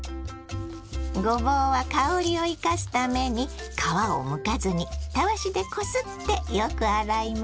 ごぼうは香りを生かすために皮をむかずにたわしでこすってよく洗います。